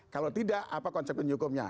kalau tidak apa konsep penyu hukumnya